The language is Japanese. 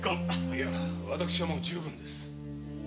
いや私はもう十分です。